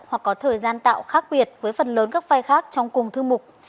hoặc có thời gian tạo khác biệt với phần lớn các vai khác trong cùng thư mục